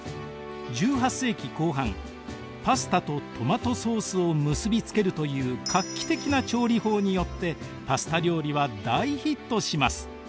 １８世紀後半パスタとトマトソースを結び付けるという画期的な調理法によってパスタ料理は大ヒットします。